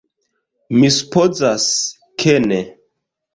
Mi supozas, ke ne.